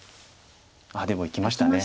あっでもいきました。